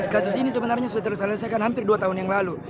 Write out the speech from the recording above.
kasus ini sebenarnya sudah terselesaikan hampir dua tahun yang lalu